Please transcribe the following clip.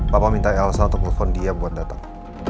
bapak minta elsa untuk nelfon dia buat datang